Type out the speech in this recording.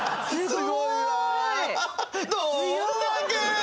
すごいわ。